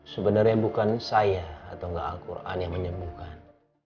sebenernya bukan saya atau al quran yang menyembuhkan